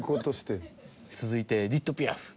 続いてエディット・ピアフ。